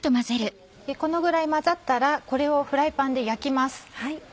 このぐらい混ざったらこれをフライパンで焼きます。